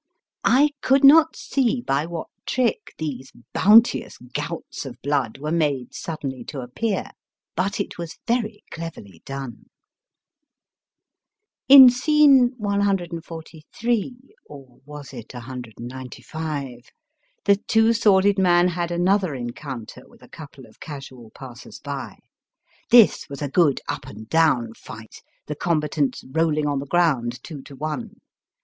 I could not see by what trick these bounteous gouts of blood were made suddenly to appear ; but it was very cleverly done. In Scene 143— or was it 195 ?— the Two Sworded Man had another encounter with a couple of casual passers by. This was a good up and down fight, the combatants roUing on the ground two to one.